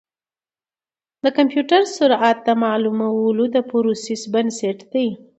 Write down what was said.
د کمپیوټر سرعت د معلوماتو د پروسس بنسټ دی.